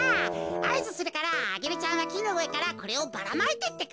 あいずするからアゲルちゃんはきのうえからこれをばらまいてってか。